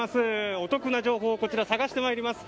お得な情報探してまいります。